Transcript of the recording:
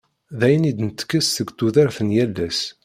D ayen i d-ntekkes seg tudert n yal ass.